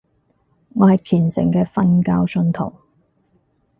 我係虔誠嘅瞓覺信徒